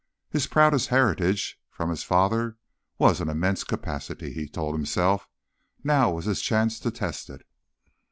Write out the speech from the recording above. His proudest heritage from his father was an immense capacity, he told himself. Now was his chance to test it.